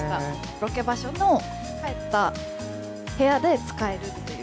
ロケ場所の帰った部屋で使えるっていう。